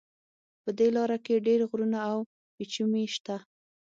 په دې لاره کې ډېر غرونه او پېچومي شته.